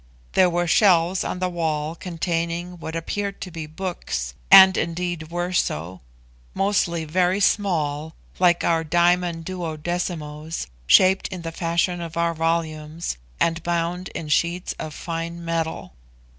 There were shelves on the wall containing what appeared to be books, and indeed were so; mostly very small, like our diamond duodecimos, shaped in the fashion of our volumes, and bound in sheets of fine metal.